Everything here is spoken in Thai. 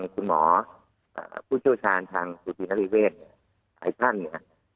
คุณหมอผู้เชี่ยวชาญทางจุตินริเวศหลายท่านเนี่ย